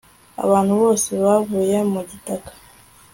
abantu bose bavuye mu gitaka